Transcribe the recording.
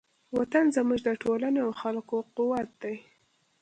وطن زموږ د ټولنې او خلکو قوت دی.